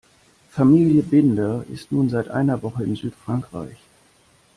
Familie Binder ist nun seit einer Woche in Südfrankreich.